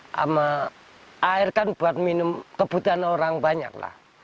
sama air kan buat minum kebutuhan orang banyak lah